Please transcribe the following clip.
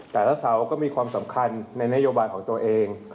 เสาร์ก็มีความสำคัญในนโยบายของตัวเอง